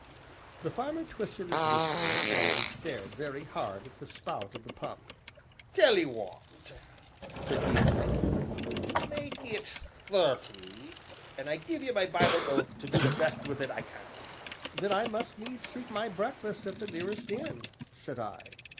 The farmer twisted his whisker, and stared very hard at the spout of the pump. "Tell 'ee what," said he at length, "mak' it thirty, an' I give ye my Bible oath to do the best wi' it I can." "Then I must needs seek my breakfast at the nearest inn," said I.